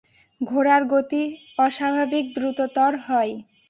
ঘোড়ার গতি অস্বাভাবিক দ্রুততর হয়।